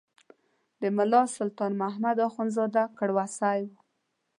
د ملا سلطان محمد اخندزاده کړوسی و.